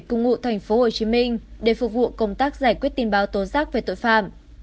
cùng ngụ tp hcm để phục vụ công tác giải quyết tin báo tố giác về tội phạm